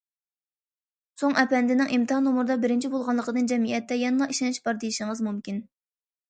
سوڭ ئەپەندىنىڭ ئىمتىھان نومۇرىدا بىرىنچى بولغانلىقىدىن جەمئىيەتتە يەنىلا ئىشەنچ بار دېيىشىڭىز مۇمكىن.